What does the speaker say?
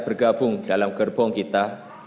bergabung dalam gerbong kita